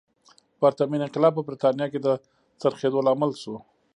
پرتمین انقلاب په برېټانیا کې د څرخېدو لامل شو.